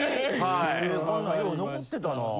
へぇこんなんよう残ってたな。